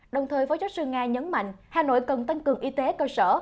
đồng thời phó giáo sư nga nhấn mạnh hà nội cần tăng cường y tế cơ sở